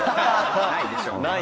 ないでしょ！